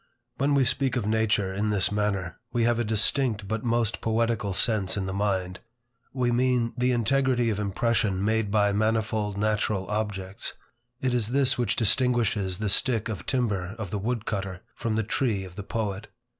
When we speak of nature in this manner, we have a distinct but most poetical sense in the mind. We mean the integrity of impression made by manifold natural objects. It is this which distinguishes the stick of timber of the wood cutter, from the tree of the poet.